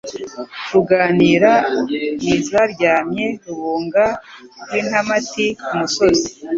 Ruganira n' izashyamye, Rubunga rw' intamati ku musozi,